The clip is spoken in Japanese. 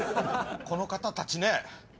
この方たちね